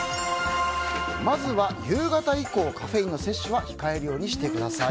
まずは、夕方以降カフェインの摂取は控えるようにしてください。